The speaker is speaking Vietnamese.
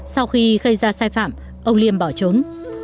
sau khi gây ra sai phạm ông liêm bỏ trốn